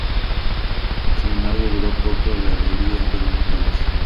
Sin embargo, duró poco la alegría de los locales.